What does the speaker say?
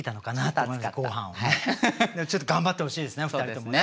頑張ってほしいですね２人ともね。